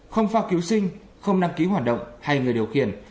không phao cứu sinh không đăng ký hoạt động hay người điều khiển